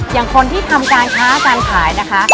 อย่างคนที่ทำการค้าการขายนะคะ